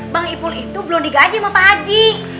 bang ipul itu belum digaji sama pak haji